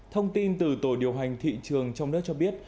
thông tin từ tổ điều hành thị trường trong nước cho biết